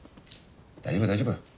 大丈夫大丈夫。